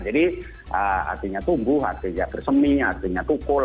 jadi artinya tumbuh artinya bersemi artinya tukul